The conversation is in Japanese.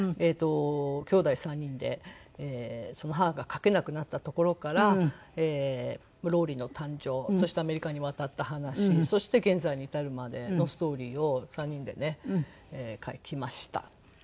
姉弟３人で母が書けなくなったところからローリーの誕生そしてアメリカに渡った話そして現在に至るまでのストーリーを３人でね書きました。